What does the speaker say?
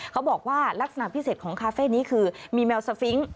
เขาบอกว่าลักษณะพิเศษของคาเฟ่นี้คือมีแมวสฟิงค์